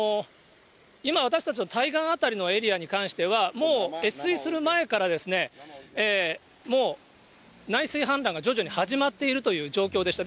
今、私たちの対岸辺りのエリアに関しては、もう越水する前から、もう内水氾濫が徐々に始まっているという状況でした。